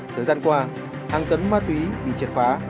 thời gian qua hàng tấn ma túy bị triệt phá